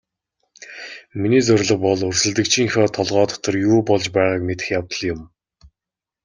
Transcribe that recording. Миний зорилго бол өрсөлдөгчийнхөө толгой дотор юу болж байгааг мэдэх явдал юм.